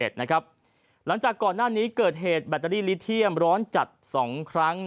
หลังจากก่อนหน้านี้เกิดเหตุแบตเตอรี่ลิเทียมร้อนจัด๒ครั้ง